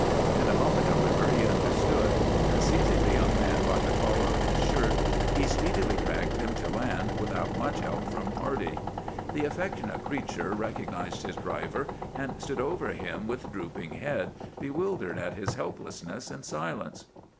In a moment, however, he understood; and seizing the young man by the collar of his shirt, he speedily dragged him to land without much help from Arty. The affectionate creature recognized his driver, and stood over him with drooping head, bewildered at his helplessness and silence.